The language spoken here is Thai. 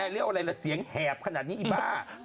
เรียกว่าอะไรล่ะเสียงแหบขนาดนี้อีบ้า